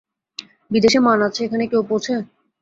বিদেশে মান আছে, এখানে কেউ পোছে?